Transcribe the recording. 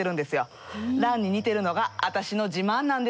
ランに似てるのが私の自慢なんです。